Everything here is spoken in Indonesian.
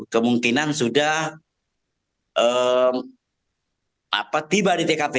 kemungkinan sudah tiba di tkp